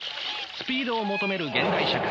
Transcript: スピードを求める現代社会。